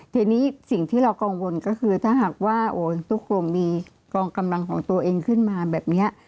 ทีนี้สิ่งที่เรากังวลก็คือถ้าหากว่าทุกคนมีกองกำลังของตัวเองขึ้นมาแบบนี้